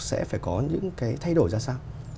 sẽ phải có những cái thay đổi ra sao